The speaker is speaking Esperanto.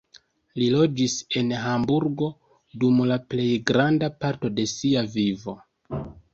Li loĝis en Hamburgo dum la plej granda parto de sia vivo.